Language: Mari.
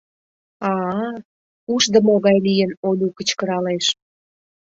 — А-а, — ушдымо гай лийын, Олю кычкыралеш.